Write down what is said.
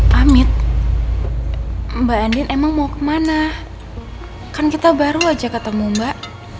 pamit mbak andin emang mau kemana kan kita baru aja ketemu mbak